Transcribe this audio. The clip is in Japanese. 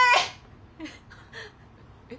えっ！？